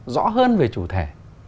rõ hơn về chủ thể